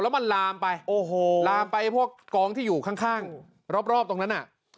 แล้วมันลามไปโอ้โหลามไปพวกกองที่อยู่ข้างรอบตรงนั้นน่ะ